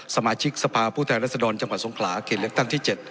สมาชิกสภาพผู้แทนรัศดรจังหวัดสงขลาเขตเลือกตั้งที่๗